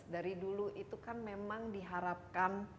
dari dulu itu kan memang diharapkan